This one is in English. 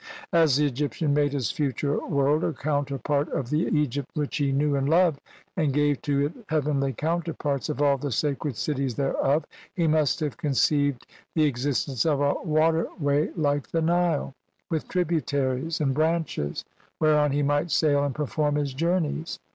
As the Egyptian made his future world a counterpart of the Egypt which he knew and loved, and gave to it heavenly counterparts of all the sacred cities thereof, he must have conceived the existence of a water way like the Nile, with tributaries and branches, whereon he might sail and perform his journeys.